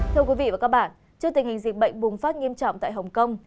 thưa quý vị và các bạn trước tình hình dịch bệnh bùng phát nghiêm trọng tại hồng kông